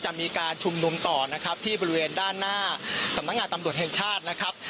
จะมีการชุมนุมต่อนะครับที่บริเวณด้านหน้าสำนักงานตำรวจแห่งชาตินะครับ